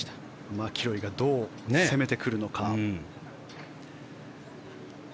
マキロイがどう攻めてくるか。